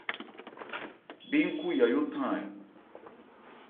Bí nkhú Yayó than ɛ ?